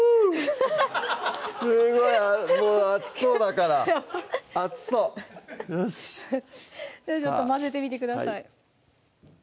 すごいもう熱そうだから熱そうよしじゃちょっと混ぜてみてください